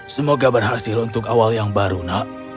semoga berhasil untuk awal yang baru nak